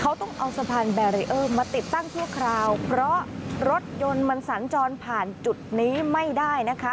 เขาต้องเอาสะพานแบรีเออร์มาติดตั้งชั่วคราวเพราะรถยนต์มันสัญจรผ่านจุดนี้ไม่ได้นะคะ